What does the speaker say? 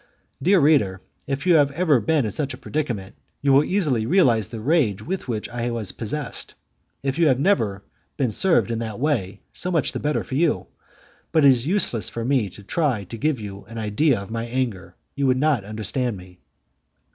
Dear reader, if you have ever been in such a predicament you will easily realize the rage with which I was possessed: if you have never been served in that way, so much the better for you, but it is useless for me to try to give you an idea of my anger; you would not understand me.